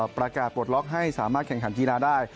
ประกาศปลดล็อกให้สามารถแข่งขันกีฬาได้